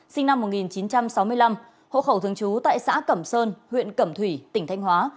sinh năm một nghìn chín trăm sáu mươi năm hộ khẩu thường trú tại xã cẩm sơn huyện cẩm thủy tỉnh thanh hóa